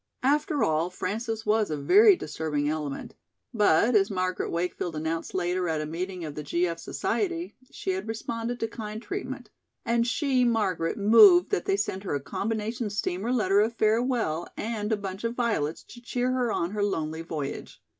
After all, Frances was a very disturbing element, but as Margaret Wakefield announced later at a meeting of the G. F. Society, she had responded to kind treatment, and she, Margaret, moved that they send her a combination steamer letter of farewell and a bunch of violets to cheer her on her lonely voyage.